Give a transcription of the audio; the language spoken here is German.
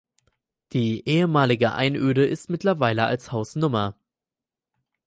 Die ehemalige Einöde ist mittlerweile als Haus Nr.